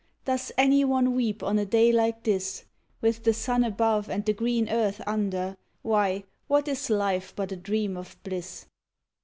Does any one weep on a day like this, With the sun above, and the green earth under? Why, what is life but a dream of bliss?